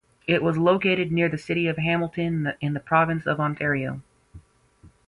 It was located near the city of Hamilton in the province of Ontario.